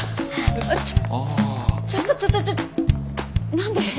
あちょちょっとちょっと何で？